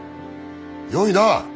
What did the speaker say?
よいな！